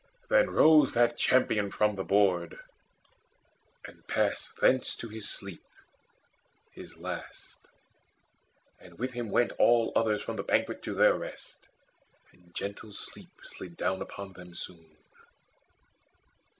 Then rose that champion from the board, and passed Thence to his sleep his last! And with him went All others from the banquet to their rest: And gentle sleep slid down upon them soon.